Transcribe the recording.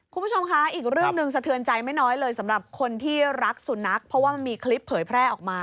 คุณผู้ชมคะอีกเรื่องหนึ่งสะเทือนใจไม่น้อยเลยสำหรับคนที่รักสุนัขเพราะว่ามันมีคลิปเผยแพร่ออกมา